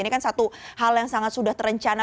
ini kan satu hal yang sangat sudah terencana